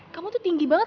kamu tuh tinggi banget